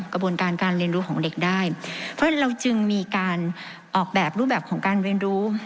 กระบวนการการเรียนรู้ของเด็กได้เพราะฉะนั้นเราจึงมีการออกแบบรูปแบบของการเรียนรู้